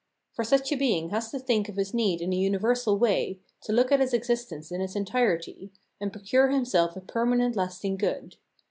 For such a being has to think of his need in a universal way, to look to his exist ence in its entirety, and procure himself a permanent lasting good.